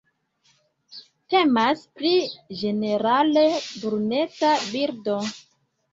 Temas pri ĝenerale bruneca birdo.